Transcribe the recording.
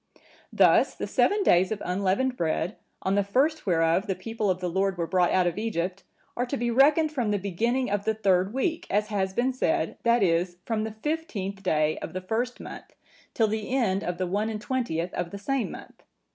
Thus the seven days of unleavened bread, on the first whereof the people of the Lord were brought out of Egypt, are to be reckoned from the beginning of the third week, as has been said, that is, from the fifteenth day of the first month, till the end of the one and twentieth of the same month.